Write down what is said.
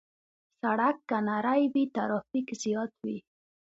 سړک که نری وي، ترافیک زیات وي.